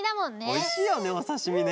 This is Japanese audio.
おいしいよねおさしみね。